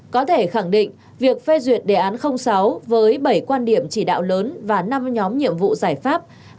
có thể khẳng định việc phê duyệt đề án sáu với bảy quan điểm chỉ đạo lớn và năm nhóm nhiệm vụ giải pháp